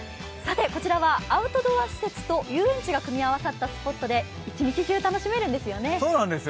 こちらはアウトドア施設と遊園地が組み合わさったスポットで、一日中楽しめるんですよね。